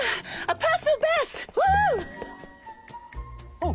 あっ！